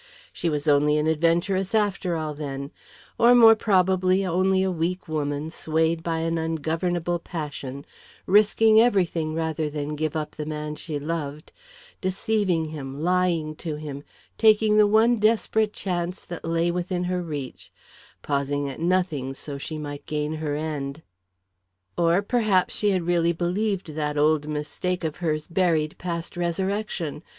She was only an adventuress, after all, then; or, more probably, only a weak woman, swayed by an ungovernable passion, risking everything rather than give up the man she loved; deceiving him, lying to him, taking the one desperate chance that lay within her reach; pausing at nothing so she might gain her end. Or perhaps she had really believed that old mistake of hers buried past resurrection.